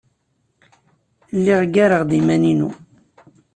Lliɣ ggareɣ-d iman-inu.